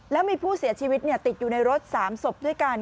แล้วมีผู้เสียชีวิตติดอยู่ในรถ๓ศพด้วยกัน